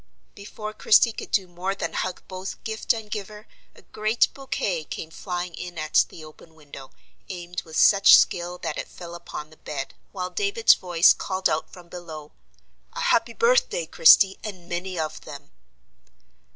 Before Christie could do more than hug both gift and giver, a great bouquet came flying in at the open window, aimed with such skill that it fell upon the bed, while David's voice called out from below: "A happy birthday, Christie, and many of them!"